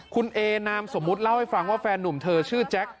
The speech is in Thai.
คุณเอนามสมมุติเล่าให้ฟังว่าแฟนนุ่มเธอชื่อแจ็ค